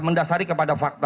mendasari kepada fakta